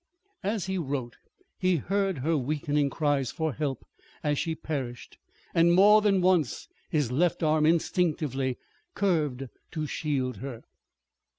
As he wrote he heard her weakening cries for help as she perished, and more than once his left arm instinctively curved to shield her.